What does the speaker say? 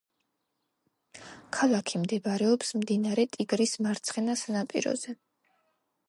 ქალაქი მდებარეობს მდინარე ტიგრის მარცხენა სანაპიროზე.